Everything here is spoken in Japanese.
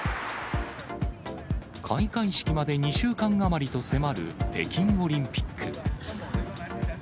開会式まで２週間余りと迫る北京オリンピック。